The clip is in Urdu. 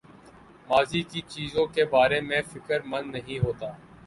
ماضی کی چیزوں کے بارے میں فکر مند نہیں ہوتا